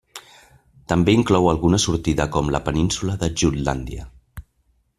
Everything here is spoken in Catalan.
També inclou alguna sortida com la península de Jutlàndia.